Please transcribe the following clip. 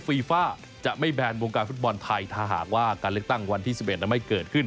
ฟีฟ่าจะไม่แบนวงการฟุตบอลไทยถ้าหากว่าการเลือกตั้งวันที่๑๑ไม่เกิดขึ้น